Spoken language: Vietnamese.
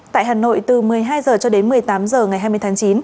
tại hà nội từ một mươi hai h cho đến một mươi tám h ngày hai mươi tháng chín